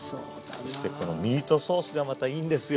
そしてこのミートソースがまたいいんですよ。